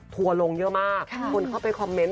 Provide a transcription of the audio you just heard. ทัวร์ลงเยอะมากคนเข้าไปคอมเมนต